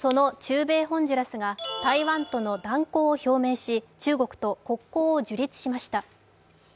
その中米ホンジュラスが台湾との断交を表明し、中国と国交を樹立しました。